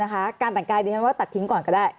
การแต่งกายดิฉันว่าตัดทิ้งก่อนก็ได้